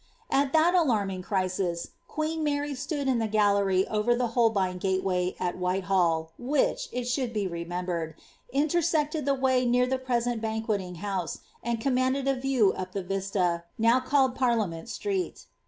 At that alarming criaia, qneen Mary Hood in the gaUoy over the Holbein gateway at Whitehall, which, it aboold be raneaibend, iato^ aected the way near the preient Banqoettng hodae, and mmmandrd a view np the viata, now ^led Partiamenft Siioei.